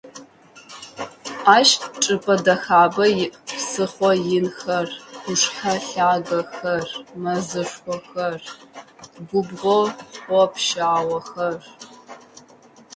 Ащ чӀыпӀэ дэхабэ иӀ: псыхъо инхэр, къушъхьэ лъагэхэр, мэзышхохэр, губгъо хъоо-пщаухэр.